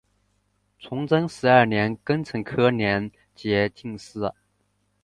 崇祯十二年庚辰科联捷进士。